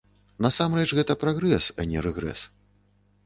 Насамрэч, гэта прагрэс, а не рэгрэс.